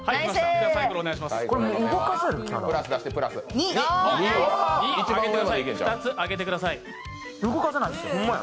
２つ上げてください。